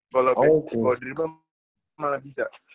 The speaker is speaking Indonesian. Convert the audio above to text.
kalau basic dribble malah bisa